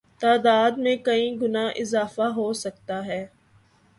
تعداد میں کئی گنا اضافہ ہوسکتا ہے